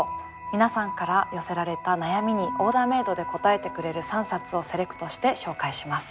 皆さんから寄せられた悩みにオーダーメードで答えてくれる３冊をセレクトして紹介します。